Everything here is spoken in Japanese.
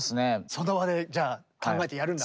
その場でじゃあ考えてやるんだあるもので。